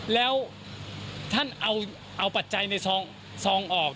แล้วท่านเอาปัจจัยในซองออก